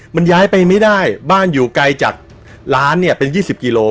มันย้ายไปไม่ได้บ้านอยู่ไกลจากร้านเนี่ยเป็น๒๐กิโล